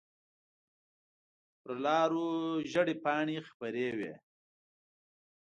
په لارو زېړې پاڼې خپرې وي